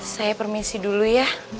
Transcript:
saya permisi dulu ya